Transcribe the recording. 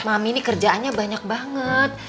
mami ini kerjaannya banyak banget